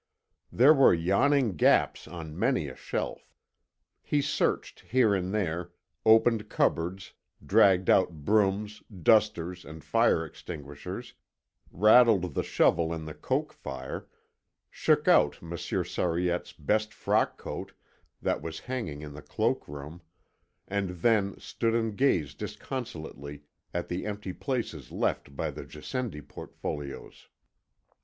There were yawning gaps on many a shelf. He searched here and there, opened cupboards, dragged out brooms, dusters, and fire extinguishers, rattled the shovel in the coke fire, shook out Monsieur Sariette's best frock coat that was hanging in the cloak room, and then stood and gazed disconsolately at the empty places left by the Gassendi portfolios.